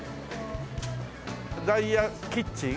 「ダイヤキッチン」